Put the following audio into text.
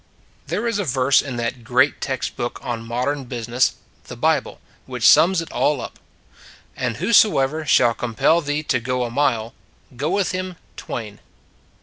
There is a verse in that great text book on modern business, the Bible, which sums it all up :" And whosoever shall compel thee to go a mile, go with him twain."